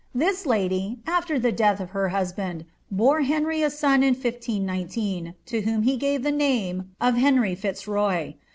This lady, after the death of her husband, bore Henry a son in 1519, to whom he gave the name of Henry Fitzroy.